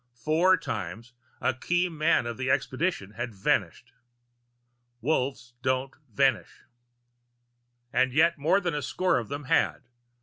Four times, a key man of the expedition had vanished. Wolves didn't vanish! And yet more than a score of them had.